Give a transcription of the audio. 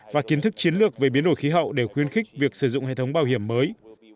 và kiến thức chiến lược về biến đổi khí hậu để khuyên khích việc sử dụng hệ thống bảo hiểm mới